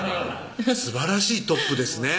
すばらしいトップですね